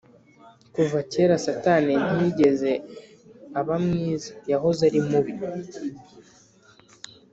Kuva kera satani ntiyigeze abamwiza yahoze ari mubi